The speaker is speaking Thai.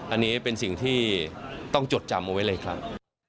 อันนี้เป็นสิ่งที่ต้องจดจำเอาไว้เลยครับ